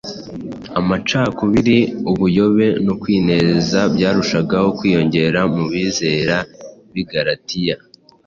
amacakubiri, ubuyobe no kwinezeza byarushagaho kwiyongera mu bizera b’i Galatiya.